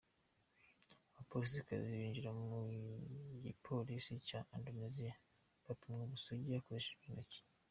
Abapolisikazi binjira mu gipolisi cya Indonesia bapimwa ubusugi hakoreshejwe intoki.